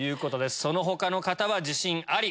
その他の方は自信あり。